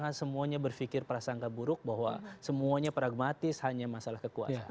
jadi jangan semuanya berpikir perasaan keburuk bahwa semuanya pragmatis hanya masalah kekuasaan